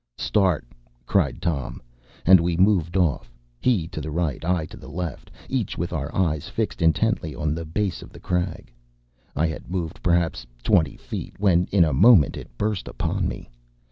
“Start!” cried Tom; and we moved off, he to the right, I to the left, each with our eyes fixed intently on the base of the crag. I had moved perhaps twenty feet, when in a moment it burst upon me.